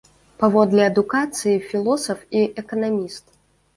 Паводле адукацыі філосаф і эканаміст.